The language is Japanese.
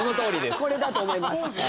これだと思います。